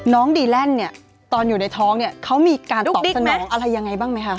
น้องดีแลนด์เนี่ยตอนอยู่ในท้องเนี่ยเขามีการตอบสนองอะไรยังไงบ้างไหมคะ